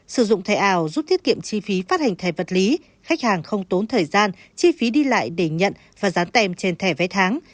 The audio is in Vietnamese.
sử dụng thẻ ảo giúp thiết kiệm chi phí phát hành thẻ vật lý khách hàng không tốn thời gian chi phí đi lại để nhận và dán tem trên thẻ vé tháng